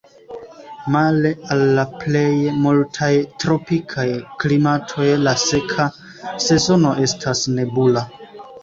Male al la plej multaj tropikaj klimatoj la seka sezono estas nebula.